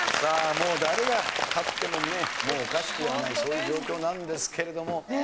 もう誰が勝ってもおかしくはないそういう状況なんですけれども。